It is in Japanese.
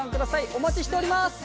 お待ちしております。